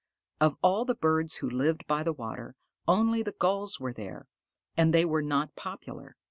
Of all the birds who lived by the water, only the Gulls were there, and they were not popular.